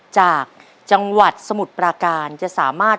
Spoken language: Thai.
จากจังหวัดสมุดประการ